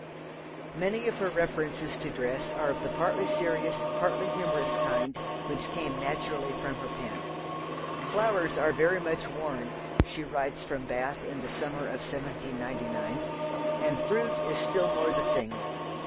Many of her references to dress are of the partly serious, partly humorous kind which came naturally from her pen. "Flowers are very much worn," she writes from Bath in the summer of 1799, "and fruit is still more the thing.